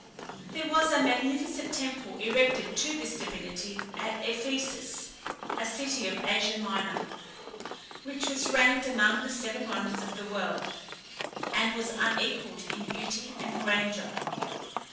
There was a magnificent temple erected to this divinity at Ephesus (a city of Asia Minor), which was ranked among the seven wonders of the world, and was unequalled in beauty and grandeur.